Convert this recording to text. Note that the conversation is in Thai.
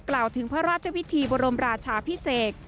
กล่าวถึงพระราชวิธีบรมราชาพิเศษ